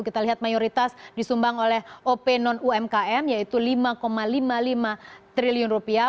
kita lihat mayoritas disumbang oleh op non umkm yaitu lima lima puluh lima triliun rupiah